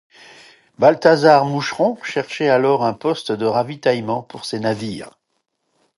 Balthasar Moucheron cherchait alors un poste de ravitaillement pour ses navires.